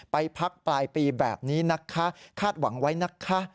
ไปพักปลายปีแบบนี้นะคะคาดหวังไว้นะคะ